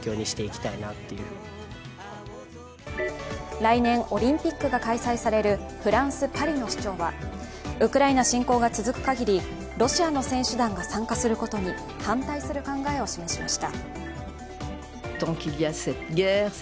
来年、オリンピックが開催されるフランス・パリの市長はウクライナ侵攻が続くかぎり、ロシアの選手団が参加することに反対する考えを示しました。